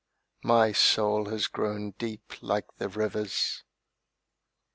My soul has grown deep like the rivers.